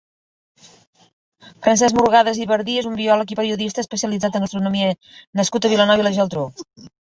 Francesc Murgadas i Bardí és un biòleg i periodista especialitzat en gastronomia nascut a Vilanova i la Geltrú.